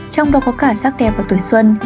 trong đó có cả sắc đẹp và tuổi xuân